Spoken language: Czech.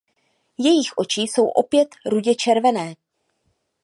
Jejich oči jsou opět rudě červené.